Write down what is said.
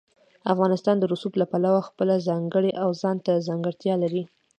افغانستان د رسوب له پلوه خپله ځانګړې او ځانته ځانګړتیا لري.